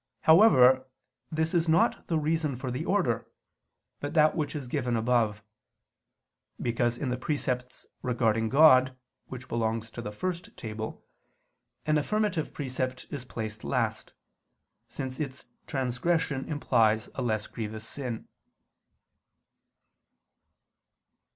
However, this is not the reason for the order, but that which is given above. Because in the precepts regarding God, which belongs to the first table, an affirmative precept is placed last, since its transgression implies a less grievous sin.